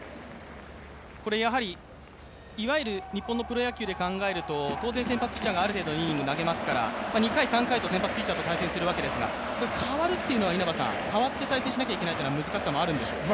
いわゆる日本のプロ野球で考えると当然先発ピッチャーがある程度イニング投げますから２回、３回と先発ピッチャーと対戦するわけですが変わって対戦しなきゃいけないというのは難しさもあるんでしょうか。